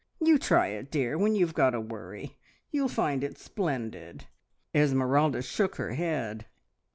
You try it, dear, when you've got a worry. You'll find it splendid!" Esmeralda shook her head.